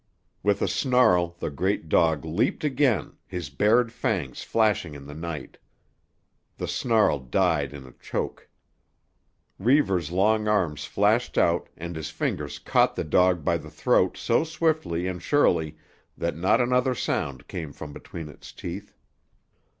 With a snarl the great dog leaped again, his bared fangs flashing in the night. The snarl died in a choke. Reivers' long arms flashed out and his fingers caught the dog by the throat so swiftly and surely that not another sound came from between its teeth.